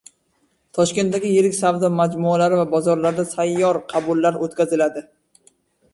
Toshkentdagi yirik savdo majmualari va bozorlarda sayyor qabullar o‘tkaziladi